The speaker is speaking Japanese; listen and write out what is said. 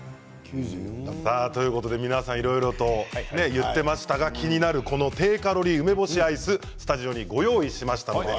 皆さん、いろいろと言っていましたが気になるこの低カロリー梅干しアイススタジオにご用意しました。